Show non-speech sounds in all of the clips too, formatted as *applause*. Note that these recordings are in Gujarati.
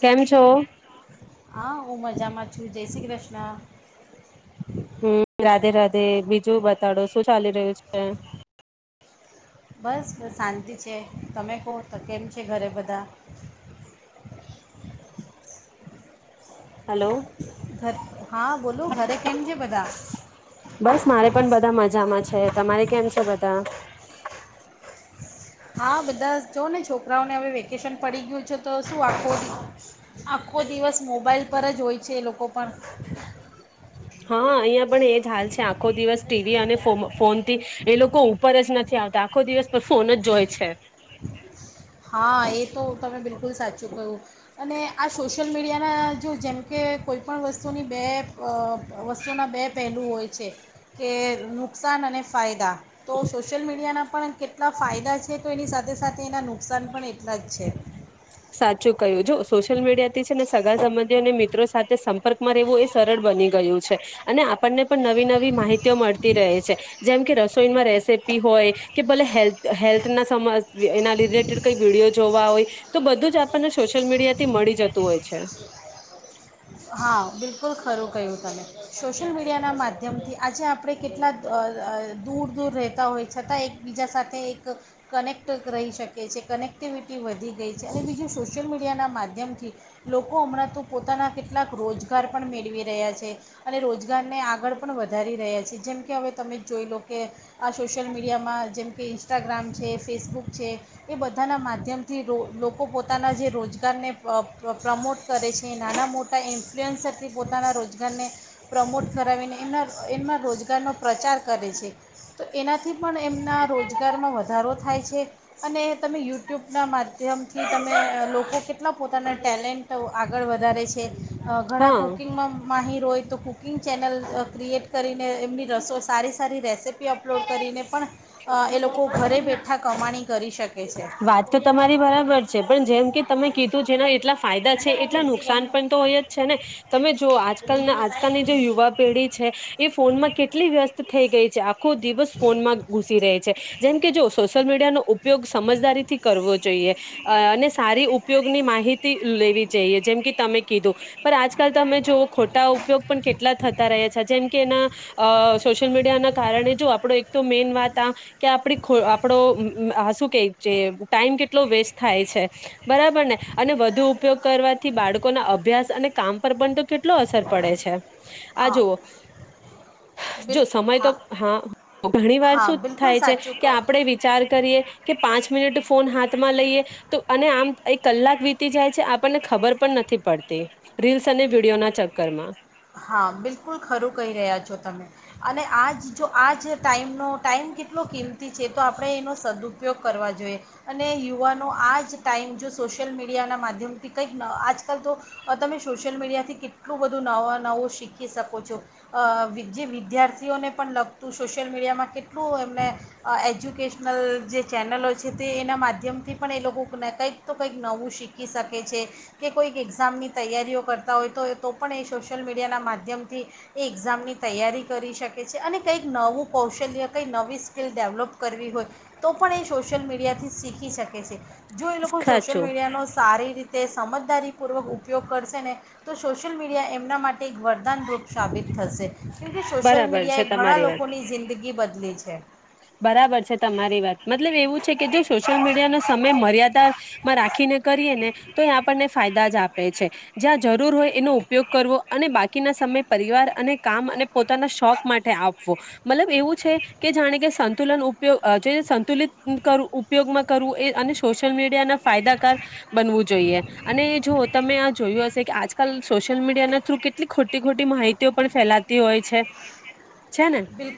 કેમ છો? હા હું મજામાં છું. જય શ્રી કૃષ્ણા. હમ રાધે રાધે બીજું બ બતાડો શું ચાલી રહ્યું છે? બસ શાંતિ છે. તમે કહો તો કેમ છે ઘરે બધા? હલો ઘર હા બોલો ઘરે કેમ છે બધા બસ મારે પણ બધા મજામાં છે તમારે કેમ બધા હા બધા જોને છોકરાઓને હવે વેકેશન પડી ગયું છે તો શું આખો આખો દિવસ મોબાઈલ પર જ હોય છે એ લોકો પણ હા અહિયાં પણ એજ હાલ છે આખો દિવસ ટીવી અને ફો ફોનથી એ લોકો ઉપર જ નથી આવતા આખો દિવસ પણ ફોન જ જોય છે. હા એ તો તમે બિલકુલ સાચું કહ્યું અને આ સોશિયલ મીડિયાના જો જેમ કે કોઈપણ વસ્તુની બે અ વસ્તુના બે પહેલું હોય છે કે નુકસાન અને ફાયદા તો સોશિયલ મીડિયાના પણ કેટલા ફાયદા છે તો એની સાથે સાથે સાથે એનાનું નુકસાન પણ એટલા જ છે. સાચું કહ્યું જો સોશિયલ મીડિયા થી છે ને સગા સંબંધીઓ અને મિત્રો સાથે સંપર્કમાં રહેવું એ સરળ બની ગયું છે અને આપણને પણ નવી નવી માહિતીઓ મળતી રહે છે જેમ કે રસોઈમાં રેસીપી હોય કે ભલે હેલ્થ હેલ્થના *unintelligible* એના લીધે કઈ વિડીયો જોવા હોય તો બધું જ આપણને સોશિયલ મીડિયાથી મળી જતું હોય છે. હા બિલકુલ ખરું. કહ્યું તમે સોશિયલ મીડિયાના માધ્યમથી આજે આપણે કેટલા અ અ દૂર દૂર રહેતા હોય છતાં એકબીજા સાથે એક કનેક્ટ રહી શકીએ છીએ કનેક્ટિવિટી વધી બીજું સોશ્યિલ મી ના માધ્યમથી લોકો હમણાં તો પોતાના કેટલાક રોજગાર પણ મેળવી રહ્યા છે અને રોજગારને આગળ પણ વધારી રહ્યા છે જેમ કે હવે તમેજ જોઈ લો કે આ સોશિયલ મીડિયામાં જેમ કે ઇન્સ્ટાગ્રામ છે ફેસબુક છે એ બધાના માધ્યમથી રો લોકો પોતાના જે રોજગારને અ અ પ્રમોટ કરે છે નાના મોટા ઇન્ફલુઅન્સરથી પોતાના રોજગારને પ્રમોટ કરાવીને એના એમના રોજગારનો પ્રચાર કરે છે તો એનાથી પણ એમના રોજગારમાં વધારો થાય છે અને તમે યુટ્યુબના માધ્યમથી તમે લોકો કેટલા પોતાના ટેલેન્ટ આગળ વધારે છે. ઘણા હા કુકિંગમાં માહીર હોય તો કૂકિંગ ચેનલ ક્રિએટ કરીને એમની રસો સારી સારી રેસીપી અપલોડ કરીને પણ, એ લોકો ઘરે બેઠા કમાણી કરી શકે. છે વાત તો તમારી બરાબર છે પણ જેમ કે તમે કીધું જેના એટલા ફાયદા છે એટલા નુકસાન પણ તો હોય જ છે ને, તમે જો આજલ આજકાલની જે યુવા પેઢી છે, એ ફોનમાં કેટલી વ્યસ્ત થઈ ગઈ છે. આખો દિવસ ફોનમાં ઘુસી રહે છે, જેમ કે જો સોશિયલ મીડિયાનો ઉપયોગ સમજદારીથી કરવો જોઈએ, અને સારી ઉપયોગની માહિતી લેવી જોઈએ જેમ કે તમે કીધું, પણ આજકાલ તમે જોવ ખોટા ઉપયોગ પણ કેટલા થતા રહ્યા છે જેમ કે એના સોશિયલ મીડિયા ના કારણે જો આપણો એક તો મેન વાત આ, કે આપણી આપ કે જે ટાઈમ કેટલો વેસ્ટ થાય છે, બરાબર ને અને વધુ ઉપયોગ કરવાથી બાળકોના અભ્યાસ અને કામ પર પણ તો કેટલો અસર પડે છે. આ હા જુઓ, જો સમય તો હા ઘણી વાર હા શું બિલકુલ થાય છે, સાચું કે કહો આપણેે વિચાર કરીએ. પાંચ મિનિટ ફોન હાથમાં લઈએ, તો અને આમ એક કલાક વીતી જાય છે આપણને ખબર પણ નથી પડતી. તે હા બિલકુલ ખરું કહી રહ્યા છો તમે. અને આજ જો આ જ ટાઈમનો ટાઈમ કેટલો કિંમતી છે. તો આપણે એનો સદઉપયોગ કરવા જોઈએ, અને યુવાનો આ જ ટાઈમ જો સોશિયલ મીડિયાના માધ્યમથી કંઈક આજકાલ તો, તમે સો સોશિયલ મીડિયાથી કેટલું બધું નવા નાવુ શીખ શકો છો, અ વી જે વિદ્યાર્થીઓને પણ લગતું સોશિયલ મીડિયામાં કેટલું એમને, એજ્યુકેશનલ જે ચેનલો છે તે એના માધ્યમથી પણ એ લોકોને કંઈક તો કંઈક નવું શીખી શકે છે, કે કોઈક એક્ઝામની તૈયારીઓ કર. હોય તો તો પણ એ સોશિયલ મીડિયાના માધ્યમથી, એ એક્ઝામની તૈયારી કરી શકે છે અને કંઈક નવું કૌશલ્ય કંઈક નવી સ્કીિલ ડેવલોપ કરવી હોય, તો પણ એ સોશિયલ મીડિયાથી શીખી શકે છે. જો એ લોકો સોશિયલ સાચું મીડિયાનો સારી રીતે તે સમજદારીપૂર્વક ઉપયોગ કરશે ને તો સોશિયલ મીડિયા એમના માટે એક વરદાનરૂપ સાબિત થશે. કેમકે સોશિયલ બરાબર છે મીડિયાએ ઘણા તમારી વાત, લોકોની જિંદગી બદલી છે બરાબર છે તમારી વાત મતલબ એવું છે કે જો સોશિયલ મીડિયાનો સમય મર્યાદા માં રાખીને કરીએ ને તો, એ આપણને ફાયદા જ આપે છે, જ્યાં જરૂર હોય એનો ઉપયોગ કરવો અને બાકીના સમય પરિવાર અને કામ અને પોતાના શોખ માટે આપવો, મતલબ એવું છે કે જાણે કે સંતુલન ઉપયોગ જે સંતુલિત ઉપયોગમાં કરવું એ અને સોશિયલ મીડિયા ના ફાયદાકાર, બનવું જોઈએ અને જો તમે આ જોયું હશે કે આજકાલ સોશિયલ મીડિયા ના થ્રુ કેટલી ખોટી ખોટી માહિતી પણ ફેલાતી હોય છે. છે ને બિલ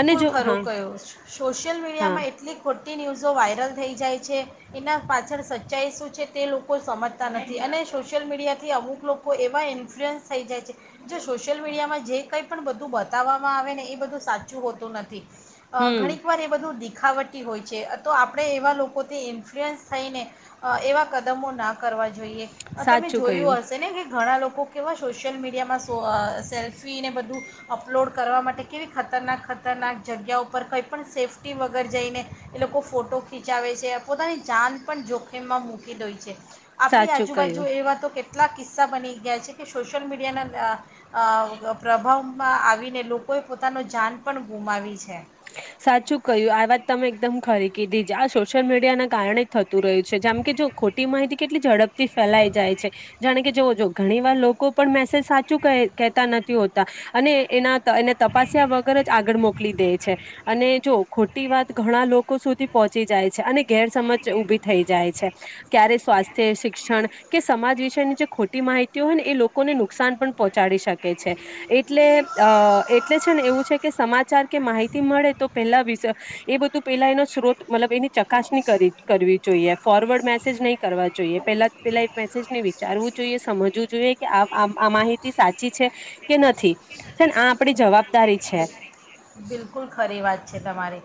અને જો ખરું હા કહું, સોશિયલ હા મીડિયામાં એટલી ખોટી ન્યૂઝો વાયરલ થઈ જાય છે. એના પાછળ સચ્ચાઈ શું છે તે લોકો સમજતા નથી અને સોશિયલ મીડિયાથી અમુક લોકો એવા ઇન્ફ્લુઅન્સ થઈ જાય, છે જો સોશિયલ મીડિયામાં જે કંઈ પણ બધું બતાવવામાં આવે ને એ બધું સાચું હોતું નથી. અ હમ ઘણીક વાર એ બધું દી દીખાવટી હોય છે તો આપણે એવા લોકોથી ઇન્ફ્લુઅન્સ થઈને, અ એવા કદમો નાખ કરવા જોઈએ, આ તમે સાચું કહ્યું જોયું હશે ને ઘણા લોકો કેવા સોશિયલ મીડિયામાં સો સેલ્ફીને બધું, અપલોડ કરવા માટે કેવી ખતરનાક ખતરનાક જગ્યા ઉપર કંઈપણ સેફ્ટી વગર જઈને એ લોકો ફોટો ખીચાવે છે પોતાની જાન પણ જોખમમાં મૂકી દે છે. આપણી સાચું આજુબાજુ કહ્યું એવા તો કેટલા એટલા કિસ્સા બની ગયા છે કે સોશિયલ મીડિયાના અ અ પ્રભાવમાં આવીને લોકો કોઈ પોતાનું જાન પણ ગુમાવી છે. સાચું કહ્યું આ વાત તમે એકદમ ખરી કીધીજ આ સોશિયલ મીડિયાના કારણે જ થતું રહ્યું છે. જેમ કે જો ખોટી માહિતી કેટલી ઝડપ થી ફેલાઈ જાય છે. જાણે કે જોવો જો ઘણી વાર લોકો પણ મેસેજ સાચું કેય કહેતા નથી હોતા અને એના એને તપાસ્યા વગર જ આગળ મોકલી દે છે. અને જો ખોટી વાત ઘણા લોકો સુધી પહોંચી જાય છે. અને ગેરસમજ ઉભી થઈ જાય છે. ક્યારે સ્વાસ્થ્ય શિક્ષણ કે સમાજ વિશેની જે ખોટી માહિતી હોય ને એ લોકોને નુકસાન પણ પહોંચાડી શકે છે. એટલે અ એટલે છે ને એવું છે કે સમાચાર કે માહિતી મળે તો પહેલા વિસ એ બધું પેલા એનો સ્ત્રોત મતલબ એની ચકાસણી કરવી જોઈએ. ફોરવર્ડ મેસેજ નહીં કરવા જોઈએ પેલા પેલા એ મેસેજને વિચારવું જોઈએ સમજવું જોઈએ કે આ આ માહિતી સાચી છે કે નથી. છેને આ આપણી જવાબદારી છે. બિલકુલ ખરી વાત છે તમારી.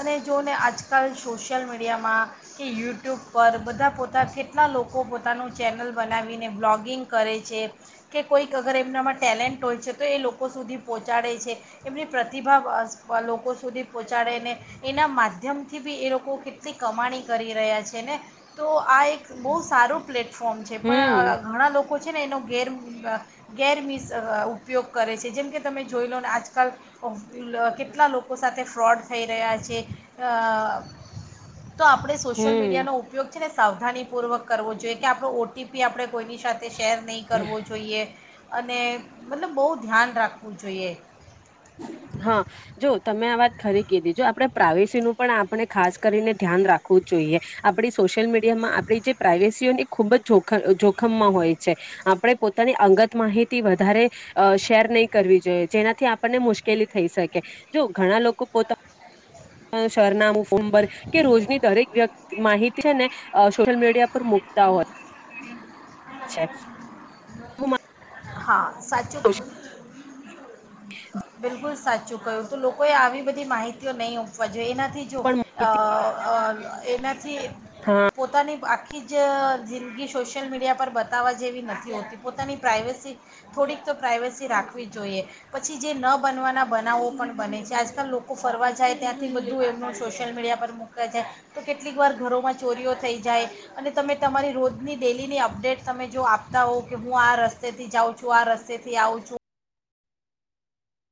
અને જોને આજકાલ સોશિયલ મીડિયામાં કે યુટ્યુબ પર બધા પોતા કેટલા લોકો પોતાનું ચેનલ બનાવીને બ્લોગિંગ કરે છે કે કોઈક અગર એમનામાં ટેલેન્ટ હોય છે તો એ લોકો સુધી પહોંચાડે છે એમની પ્રતિભા અ લોકો સુધી પહોંચાડે ને એના માધ્યમથી બી એ લોકો કેટલી કમાણી કરી રહ્યા છે ને તો આ એક બહુ સારું પ્લેટ ફોર્મ છે હમ પણ ઘણા લોકો છે ને એનો ગેરમિસ ઉપયોગ કરે છે જેમ કે તમે જોઈ લોને આજકાલ *unintelligible* લોકો સાથે ફ્રોડ થઈ રહ્યા છે. અ તો આપણે સોશિયલ હમ મીડિયાનો ઉપયોગ છે ને સાવધાની પૂર્વક કરવો જોઈએ કે આપણ ઓટીપી આપણે કોઈની સાથે શેર નહી કરવો જોઈએ. અને મતલબ બહુ ધ્યાન રાખવું જોઈએ. હા જો તમે આ વાત ખરી કીધી. જો આપણેે પ્રાઇવેસીનું પણ આપણે ખાસ કરીને ધ્યાન રાખવું જ જોઈએ આપડી સોશિયલ મીડિયામાં આપણી જે પ્રઇવેસીઓ ને એ ખુબ જ જોખ જોખમમાં હોય છે. આપણે પોતાની અંગત માહિતી વધારે અ શેર નહી કરવી જોઈએ. જેનાથી આપણને મુશ્કેલી થઈ શકે જો ઘણા લોકો પોતા સરનામું ફોન નંબર કે રોજની દરેક વ્યક્તિ માહિતી છે અ ને સોશિયલ મીડિયા પર મુકતા હોય હા સાચુ મારી બિલકુલ સાચુ ચૂક્યું તો લોકોએ આવી બધી માહિતીઓ નહીં આપવા જોઈએ. એના થી જો સોશિયલ પણ માહિતી અ એનાથી હા પોતાની આખી કે જ જિંદગી સોશિયલ મીડિયા પર બતાવવા જેવી નથી હોતી પોતાની પ્રાઇવેસી થોડીક તો પ્રાઇવસી રાખવી જોઈએ. પછી જે ન બનવાના બનાવો પણ બને છે. આજકાલ લોકો ફરવા જાય ત્યાંથી બધું એમનું સોશિયલ મીડિયા પર મૂકતા જાય તો કેટલીક વાર ઘરોમાં ચોરીઓ થઈ જાય અને તમે તમારી રોજની ડેલીની અપડેટ તમે જો આપતા હોવ કે હું આ રસ્તેથી જાઉં છું આ રસ્તેથી આવું છું.